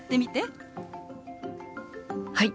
はい！